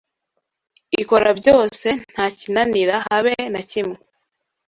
"Ikora byose ntakinanira habe nakimwe